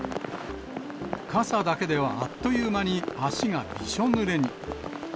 傘だけではあっという間に足がびしょぬれに。